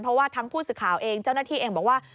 เพราะว่าทั้งผู้สื่อข่าวเองเจ้าหน้าที่เองบอกว่า